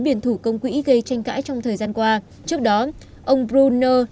biển thủ công quỹ gây tranh cãi trong thời gian qua trước đó ông bruner